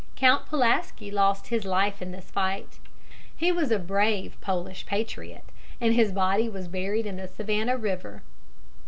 Count Pulaski lost his life in this fight. He was a brave Polish patriot, and his body was buried in the Savannah River.